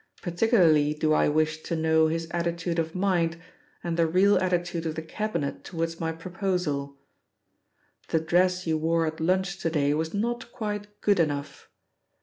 Particularly do I wish to know his attitude of mind and the real attitude of the Cabinet towards my proposal. The dress you wore at lunch to day was not quite good enough.